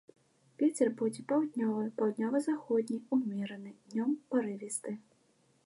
Вецер будзе паўднёвы, паўднёва-заходні ўмераны, днём парывісты.